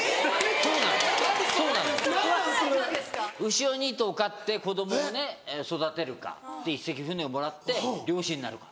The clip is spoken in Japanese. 牛を２頭飼って子供をね育てるか１隻船をもらって漁師になるか。